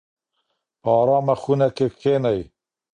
په ارامه خونه کې کښینئ.